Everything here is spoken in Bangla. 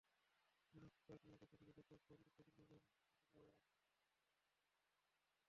ঘটনার কয়েক মিনিটের মধ্যে সেখানে বেশ কয়েকটি মোটরসাইকেলে লোকজন জড়ো হয়ে যায়।